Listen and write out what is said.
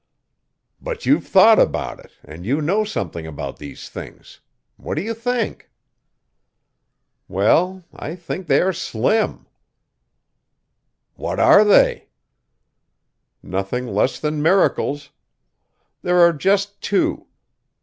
"But you've thought about it, and you know something about these things. What do you think?" "Well, I think they are slim." "What are they?" "Nothing less than miracles. There are just two.